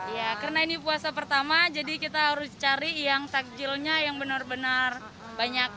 ya karena ini puasa pertama jadi kita harus cari yang takjilnya yang benar benar banyak